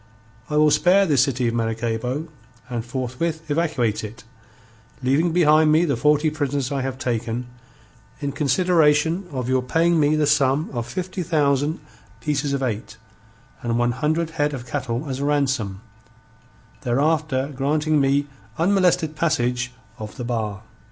I will spare this city of Maracaybo and forthwith evacuate it, leaving behind me the forty prisoners I have taken, in consideration of your paying me the sum of fifty thousand pieces of eight and one hundred head of cattle as a ransom, thereafter granting me unmolested passage of the bar.